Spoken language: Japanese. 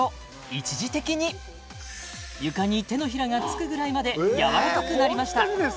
一時的に床に手のひらがつくぐらいまでやわらかくなりました